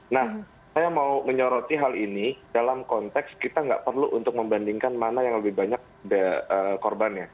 nah saya mau menyoroti hal ini dalam konteks kita nggak perlu untuk membandingkan mana yang lebih banyak korbannya